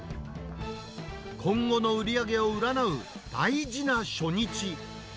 今後の売り上げを占う大事な初日。